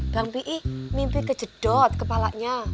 bang pih mimpi kejedot kepalanya